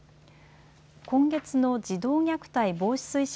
今月の児童虐待防止推進